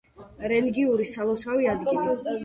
რელიგიური სალოცავი ადგილი.